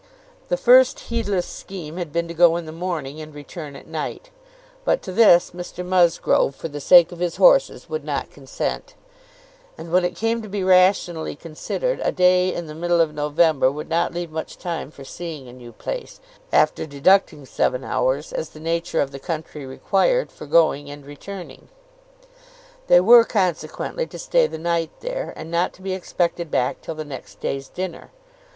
The first heedless scheme had been to go in the morning and return at night; but to this Mr Musgrove, for the sake of his horses, would not consent; and when it came to be rationally considered, a day in the middle of November would not leave much time for seeing a new place, after deducting seven hours, as the nature of the country required, for going and returning. They were, consequently, to stay the night there, and not to be expected back till the next day's dinner.